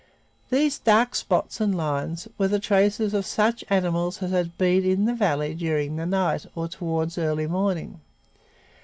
These dark spots and lines were the traces of such animals as had been in the valley during the night or toward early morning.